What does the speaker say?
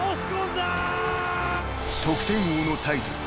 ［得点王のタイトル］